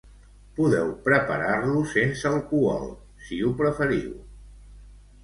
Podeu preparar-lo sense alcohol, si ho preferiu.